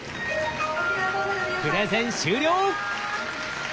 プレゼン終了！